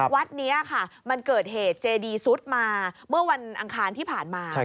วัดนี้ค่ะมันเกิดเหตุเจดีซุดมาเมื่อวันอังคารที่ผ่านมา